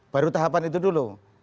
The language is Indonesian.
baru tahapan itu dulu